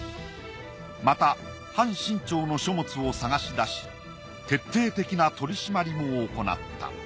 また反清朝の書物を探し出し徹底的な取り締まりも行った。